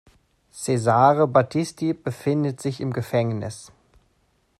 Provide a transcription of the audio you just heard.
Cesare Battisti befindet sich im Gefängnis.